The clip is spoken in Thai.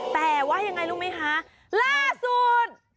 แต่ว่ายังไงรู้ไหมคะล่าสุด